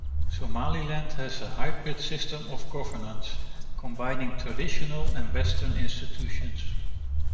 Somaliland has a hybrid system of governance combining traditional and western institutions.